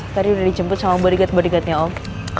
tadi udah dijemput sama bodyguard bodyguardnya om